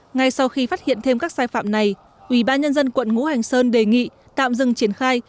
ngay sau khi phát hiện thêm các sai phạm này ủy ban nhân dân quận ngũ hành sơn đề nghị tạm dừng triển khai